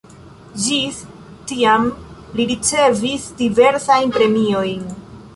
Ĝis tiam li ricevis diversajn premiojn.